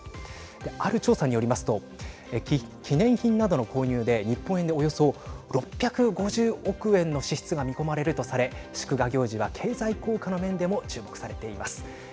ある調査によりますと記念品などの購入で日本円でおよそ６５０億円の支出が見込まれるとされ祝賀行事は、経済効果の面でも注目されています。